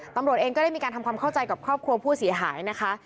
ตำรวจเองก็ได้มีการทำความเข้าใจกับครอบครัวผู้เสียหายนะคะ